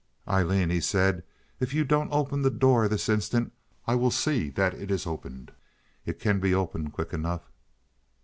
"Aileen," he said, "if you don't open the door this instant I will see that it is opened. It can be opened quick enough."